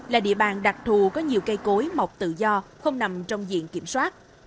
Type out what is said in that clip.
là địa bàn đặc thù có nhiều cây cối mọc tự do không nằm trong diện kiểm soát